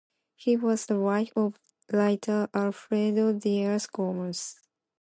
She was the wife of writer Alfredo Dias Gomes.